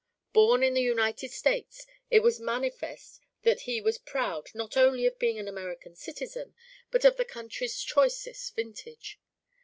Born in the United States, it was manifest that he was proud not only of being an American citizen but of the country's choicest vintage.